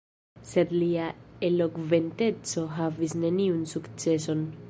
Sed lia elokventeco havis neniun sukceson.